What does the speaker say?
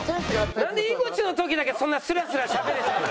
なんで井口の時だけそんなスラスラしゃべれちゃうの？